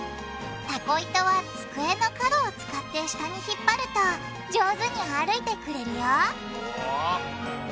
タコ糸は机の角を使って下に引っ張ると上手に歩いてくれるようわ。